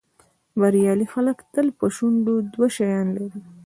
بریالي خلک تل په شونډو دوه شیان لري.